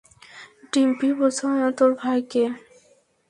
ডিম্পি, বোঝা তোর ভাইকে।